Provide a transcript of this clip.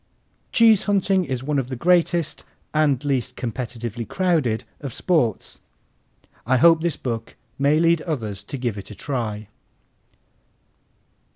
Cheese hunting is one of the greatest and least competitively crowded of sports. I hope this book may lead others to give it a try.